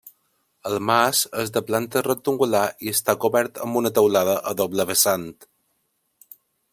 El mas és de planta rectangular i està cobert amb una teulada a doble vessant.